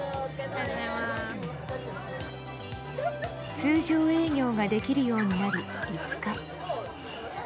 通常営業ができるようになり５日。